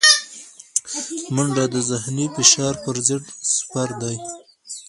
منډه د ذهني فشار پر ضد سپر دی